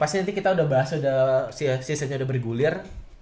pasti nanti kita udah bahas udah seasonnya udah bergulir